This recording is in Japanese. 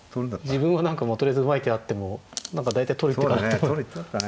自分は何かもうとりあえずうまい手あっても何か大体取るっていうか。